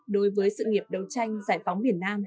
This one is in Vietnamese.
đối với sự nghiệp đấu tranh giải phóng miền nam